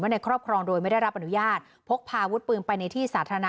ในครอบครองโดยไม่ได้รับอนุญาตพกพาอาวุธปืนไปในที่สาธารณะ